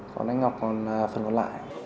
còn anh ngọc còn phần còn lại